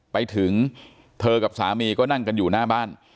ไปถึงเธอกับสามีก็นั่งกันอยู่หน้าบ้าน